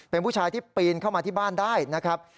เป็นผู้ชายที่ปีนเข้ามาที่บ้านได้นะครับ